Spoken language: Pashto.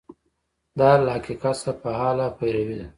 دا له حقیقت څخه فعاله پیروي ده.